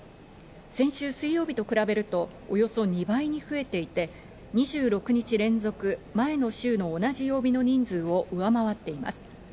先週水曜日と比べるとおよそ２倍に増えていて、２６日連続、前の週の同じ曜日の人数を上回っています。